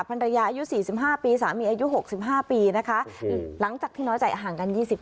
ภรรยาอายุสี่สิบห้าปีสามีอายุหกสิบห้าปีนะคะหรือหลังจากที่น้อยใจห่างกันยี่สิบปี